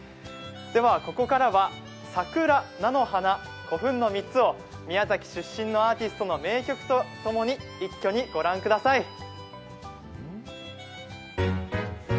では、ここからは桜、菜の花、古墳の３つを宮崎出身のアーティストの名曲と共に一挙に御覧ください。